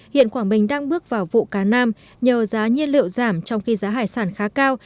hiện quảng bình đang bước vào vụ cá nam nhờ giá nhiên liệu giảm trong khi giá hải sản khá cao